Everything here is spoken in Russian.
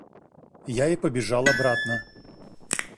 Я и побежал обратно.